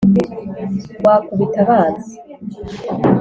Wakubita abanzi